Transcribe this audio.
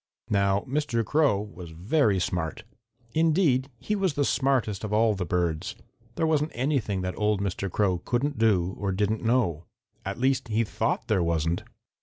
"Now Mr. Crow was very smart. Indeed, he was the smartest of all the birds. There wasn't anything that old Mr. Crow couldn't do or didn't know. At least he thought there wasn't.